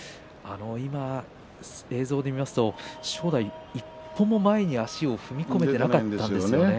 今、映像で見ますと正代は一歩も前に足を踏み込んでいなかったんですよね。